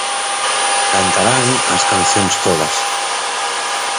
Cantaran as cancións todas